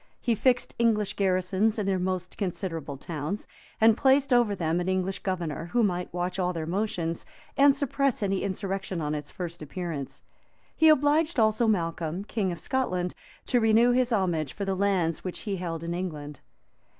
He fixed English garrisons in their most considerable towns, and placed over them an English governor, who might watch all their motions, and suppress any insurrection on its first appearance. He obliged also Malcolm, king of Scotland, to renew his homage for the lands which he held in England.